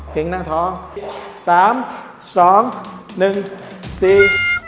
เกรงหน้าท้องสามสองหนึ่งสี่